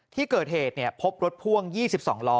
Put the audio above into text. ที่เกิดเหตุพบรถพ่วง๒๒ล้อ